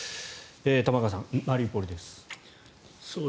玉川さん、マリウポリです。